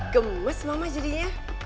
gemes mama jadinya